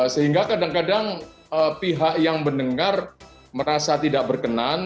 sehingga kadang kadang pihak yang mendengar merasa tidak berkenan